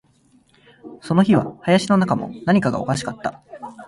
その日は林の中も、何かがおかしかった